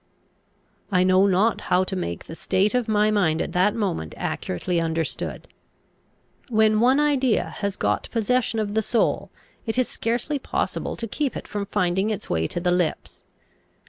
I know not how to make the state of my mind at that moment accurately understood. When one idea has got possession of the soul, it is scarcely possible to keep it from finding its way to the lips.